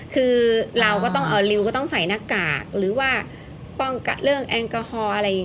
คือเราก็ต้องริวก็ต้องใส่หน้ากากหรือว่าป้องกันเรื่องแอลกอฮอล์อะไร